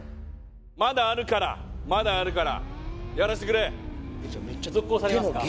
まだあるからまだあるからやらせてくれ続行されますか？